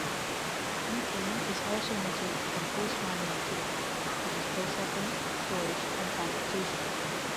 Methane is also emitted from post-mining activities such as processing, storage and transportation.